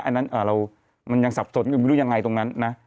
อันนั้นมันยังสับสนอยู่ไม่รู้ยังไงตรงนั้นนะ